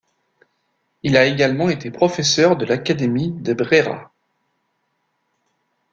Il a également été professeur de l'Académie de Brera.